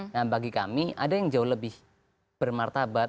nah bagi kami ada yang jauh lebih bermartabat